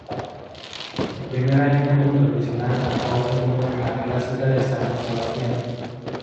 En su primer año como profesional acabó segundo en la Clásica de San Sebastián.